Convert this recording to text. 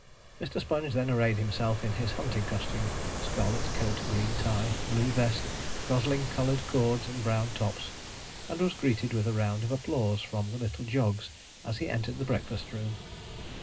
Mr. Sponge then arrayed himself in his hunting costume scarlet coat, green tie, blue vest, gosling coloured cords, and brown tops; and was greeted with a round of applause from the little Jogs as he entered the breakfast room.